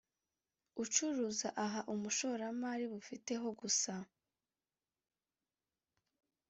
ucuruza aha umushoramari bufiteho gusa